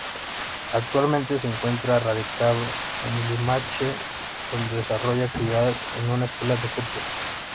Actualmente se encuentra radicado en Limache, donde desarrolla actividades en una escuela de fútbol.